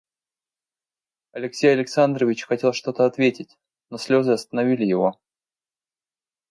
Алексей Александрович хотел что-то ответить, но слезы остановили его.